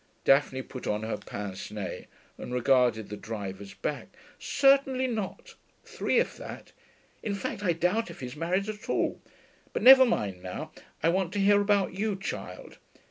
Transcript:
Daphne put on her pince nez and regarded the driver's back. 'Certainly not. Three, if that. In fact, I doubt if he's married at all. But never mind now. I want to hear about you, child.